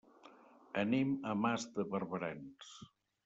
Anem a Mas de Barberans.